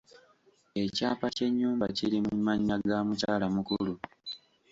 Ekyapa ky'ennyumba kiri mu mannya ga mukyala mukulu.